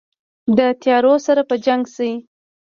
د تیارو سره په جنګ شي